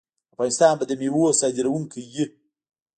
افغانستان به د میوو صادروونکی وي.